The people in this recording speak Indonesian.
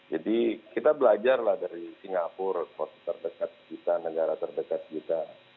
jadi kita belajar lah dari singapura posisi terdekat kita negara terdekat kita